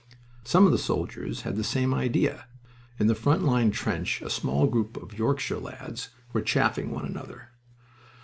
Some of the soldiers had the same idea. In the front line trench a small group of Yorkshire lads were chaffing one another.